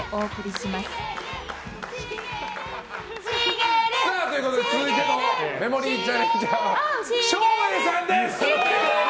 しげる！ということで続いてのメモリーチャレンジャーは照英さんです！